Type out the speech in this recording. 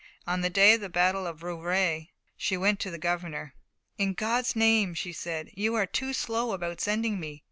On the day of the battle of Rouvray she went to the governor. "In God's name," she said, "you are too slow about sending me.